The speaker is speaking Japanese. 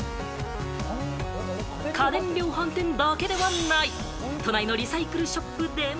家電量販店だけではない、都内のリサイクルショップでも。